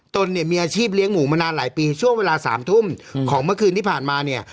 ตนเนี่ยมีอาชีพเลี้ยงหมูมานานหลายปีช่วงเวลา๓ทุ่มของเมื่อคืนที่ผ่านมาเนี่ย